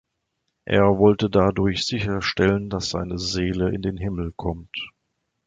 Er wollte dadurch sicherstellen, dass seine Seele in den Himmel kommt.